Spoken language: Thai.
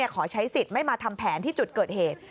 ขอใช้สิทธิ์ไม่มาทำแผนที่จุดเกิดเหตุ